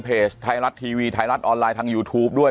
ไทยรัฐทีวีไทยรัฐออนไลน์ทางยูทูปด้วย